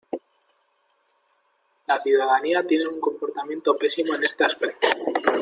La ciudadanía tiene un comportamiento pésimo en este aspecto.